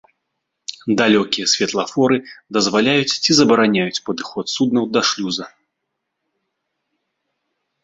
Далёкія святлафоры дазваляюць ці забараняюць падыход суднаў да шлюза.